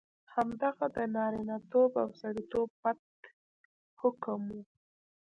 همدغه د نارینتوب او سړیتوب پت حکم وو.